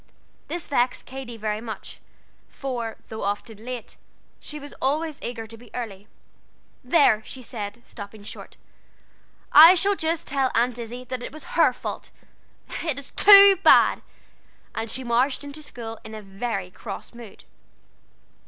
This vexed Katy very much; for, though often late, she was always eager to be early. "There," she said, stopping short, "I shall just tell Aunt Izzie that it was her fault. It is too bad." And she marched into school in a very cross mood.